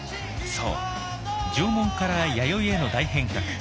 そう縄文から弥生への大変革